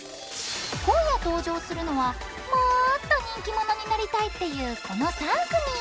今夜登場するのはもっと人気者になりたいっていうこの３組！